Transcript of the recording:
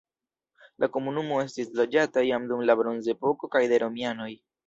La komunumo estis loĝata jam dum la bronzepoko kaj de romianoj.